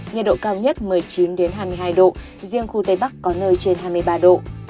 nhiệt độ cao nhất một mươi chín hai mươi hai độ riêng khu tây bắc có nơi trên hai mươi ba độ